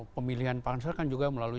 pemilihan pansel kan juga melalui